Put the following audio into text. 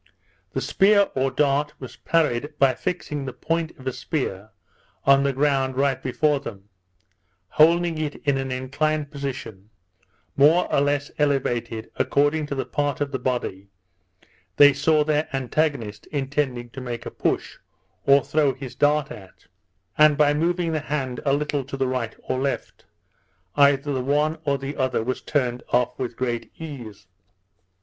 The spear or dart was parried by fixing the point of a spear in the ground right before them, holding it in an inclined position, more or less elevated according to the part of the body they saw their antagonist intending to make a push, or throw his dart at, and by moving the hand a little to the right or left, either the one or the other was turned off with great ease.